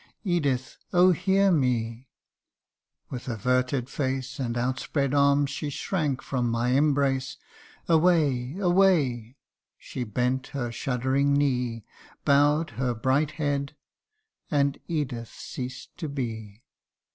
' Edith ! oh ! hear me !' With averted face And outspread arms she shrank from my embrace. 1 Away ! away !' She bent her shuddering knee, Bow'd her bright head and Edith ceased to be